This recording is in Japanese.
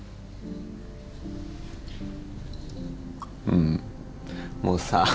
うんもうさ